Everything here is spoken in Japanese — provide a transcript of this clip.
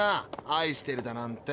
「愛してる」だなんて。